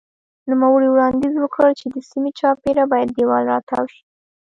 نوموړي وړاندیز وکړ چې د سیمې چاپېره باید دېوال راتاو شي.